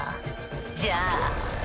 じゃあ。